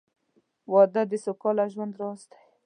• واده د سوکاله ژوند راز دی.